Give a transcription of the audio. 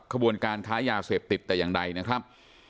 ขบวนการค้ายาเสพติดแต่อย่างใดนะครับ